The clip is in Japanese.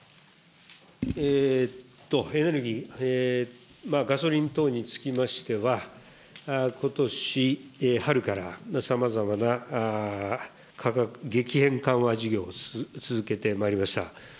エネルギー、ガソリン等につきましては、ことし春から、さまざまな価格激変緩和事業を続けてまいりました。